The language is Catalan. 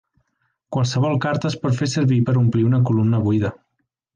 Qualsevol carta es pot fer servir per omplir una columna buida.